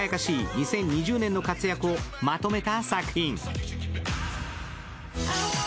２０２０年の活躍をまとめた作品です。